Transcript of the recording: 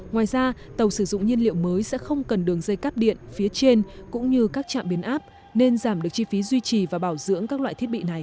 ngoài ra tàu sử dụng nhiên liệu mới sẽ không cần đường dây cắp điện phía trên cũng như các trạm biến áp nên giảm được chi phí duy trì và bảo dưỡng các loại thiết bị này